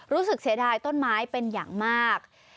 เสียดายต้นไม้เป็นอย่างมาก